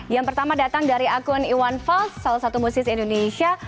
yang pertama datang dari akun iwan fals salah satu musisi indonesia